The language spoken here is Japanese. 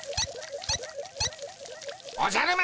おじゃる丸！